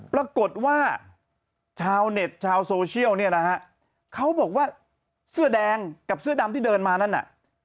ปรากฏว่าชาวเน็ตชาวโซเชียลเนี่ยนะฮะเขาบอกว่าเสื้อแดงกับเสื้อดำที่เดินมานั่นน่ะ